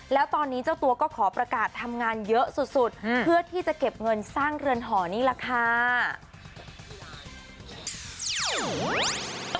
แล้วตอนนี้เจ้าตัวก็ขอประกาศทำงานเยอะสุดเพื่อที่จะเก็บเงินสร้างเรือนหอนี่แหละค่ะ